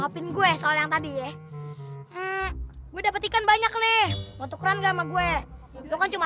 ngapain gue soalnya tadi ya gue dapet ikan banyak nih mau tukeran gak sama gue bukan cuma